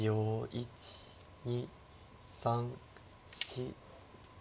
１２３４。